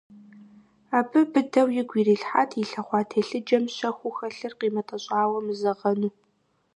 Абы быдэу игу ирилъхьат илъэгъуа телъыджэм щэхуу хэлъыр къимытӀэщӀауэ мызэгъэну.